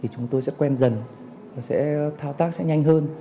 chúng tôi sẽ quen dần sẽ thao tác sẽ nhanh hơn